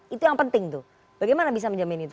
itu yang penting tuh bagaimana bisa menjamin itu